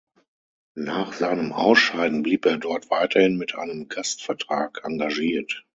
Nach seinem Ausscheiden blieb er dort weiterhin mit einem Gastvertrag engagiert.